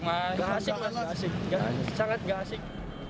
enggak asik mas enggak asik sangat enggak asik